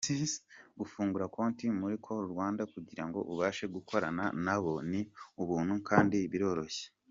Gufungura konti muri Call Rwanda kugirango ubashe gukorana nabo, ni ubuntu kandi biroroshye.